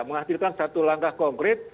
menghasilkan satu langkah konkret